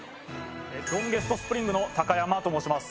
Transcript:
ロンゲストスプリングの高山と申します